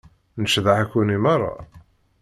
Ncedha-kent i meṛṛa.